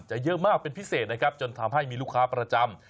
เยอะมากเป็นพิเศษนะครับจนทำให้มีลูกค้าประจำ